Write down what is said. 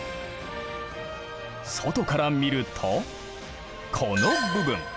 外から見るとこの部分。